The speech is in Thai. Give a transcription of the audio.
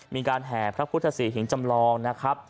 แห่พระพุทธศรีหิงจำลองนะครับ